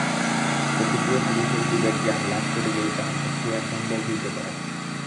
প্রকৃতি ও পুরুষের বিবেকজ্ঞান লাভ করিলেই তাঁহার পক্ষে ইহা সম্ভব হইতে পারে।